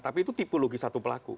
tapi itu tipologi satu pelaku